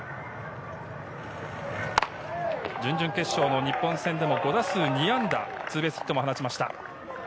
準々決勝の日本戦でも５打数２安打、ツーベースヒットも放ちました。